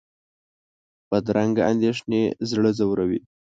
بدرنګه اندېښنې زړه ځوروي